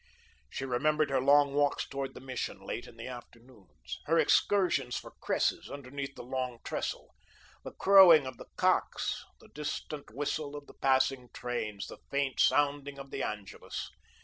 She remembered her long walks toward the Mission late in the afternoons, her excursions for cresses underneath the Long Trestle, the crowing of the cocks, the distant whistle of the passing trains, the faint sounding of the Angelus.